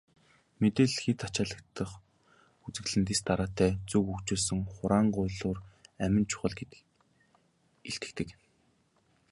Мэдээлэл хэт ачаалагдах үзэгдэл нь дэс дараатай, зөв хөгжүүлсэн хураангуйлуур амин чухал гэдгийг илтгэдэг.